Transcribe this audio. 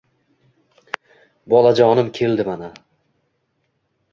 Bolajonim keldi mana